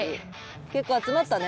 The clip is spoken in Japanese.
結構集まったね。